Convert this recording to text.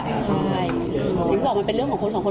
อย่างที่พูดว่ามันเป็นเรื่องของคนสองคน